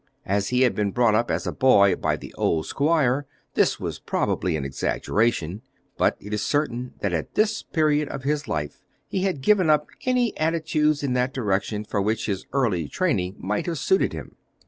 As he had been brought up as a boy by the old squire this was probably an exaggeration, but it is certain that at this period of his life he had given up any aptitudes in that direction for which his early training might have suited him.